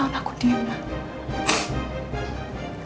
aku bisa bawa dia ke rumah